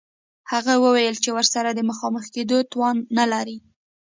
هغې وویل چې ورسره د مخامخ کېدو توان نلري